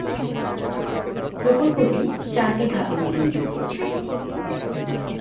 প্রকল্পটি চারটি ধাপে নির্মিত হয়েছিল।